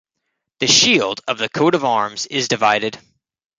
The shield of the coat of arms is divided.